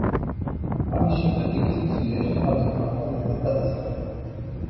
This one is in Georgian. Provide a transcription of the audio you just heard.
ამის შემდეგ იგი სიცილიაში თავის ქმართან ერთად გადასახლდა.